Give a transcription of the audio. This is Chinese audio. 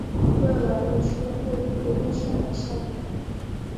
为了弄出又酷又炫的效果